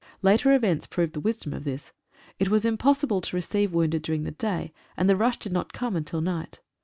Later events proved the wisdom of this. It was impossible to receive wounded during the day, and the rush did not come until night.